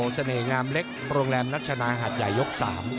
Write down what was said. เสน่หงามเล็กโรงแรมนัชนาหาดใหญ่ยก๓